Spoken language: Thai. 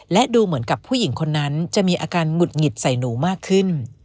และดูเหมือนกับผู้หญิงคนนั้นจะมีอาการหงุดหงิดใส่หนูมากขึ้น